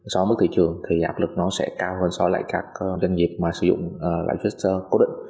so với mức thị trường thì áp lực nó sẽ cao hơn so với các doanh nghiệp mà sử dụng lãi xuất cố định